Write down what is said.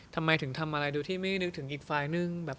ทำไมถึงทำอะไรโดยที่ไม่นึกถึงอีกฝ่ายนึง